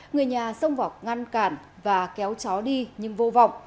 người nhà xông vào ngăn cản và kéo chó đi nhưng vô vọng